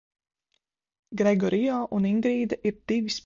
Gregorio un Ingrīda ir divi spiegi, kuri iemīlas un apprecas.